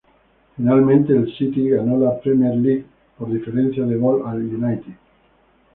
Finalmente el "City" ganó la Premier League por diferencia de gol al "United".